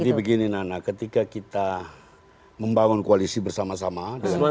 jadi begini nana ketika kita membangun koalisi bersama sama